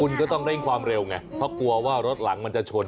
คุณก็ต้องเร่งความเร็วไงเพราะกลัวว่ารถหลังมันจะชน